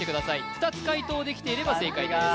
２つ解答できていれば正解です